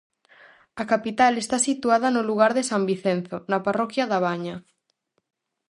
A capital está situada no lugar de San Vicenzo, na parroquia da Baña.